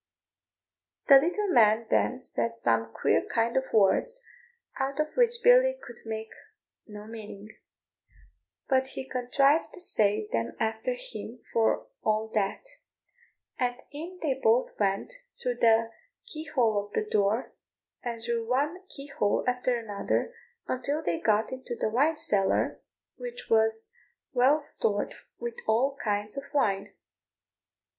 The little man then said some queer kind of words, out of which Billy could make no meaning; but he contrived to say them after him for all that; and in they both went through the key hole of the door, and through one key hole after another, until they got into the wine cellar, which was well stored with all kinds of wine.